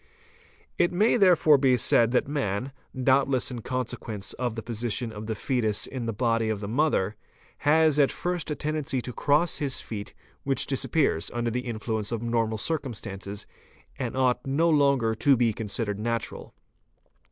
. It may therefore be said that man, doubtless in consequence of the position of the foetus in the body of the mother, has at first a tendency to cross the feet which disappears under the influence of normal circum stances and ought no longer to be considered natural.